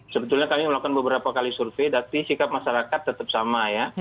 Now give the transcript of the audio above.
sebetulnya kami melakukan beberapa kali survei tapi sikap masyarakat tetap sama ya